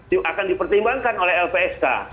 itu akan dipertimbangkan oleh lpsk